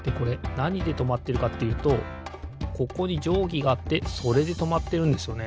なにでとまってるかっていうとここにじょうぎがあってそれでとまってるんですよね。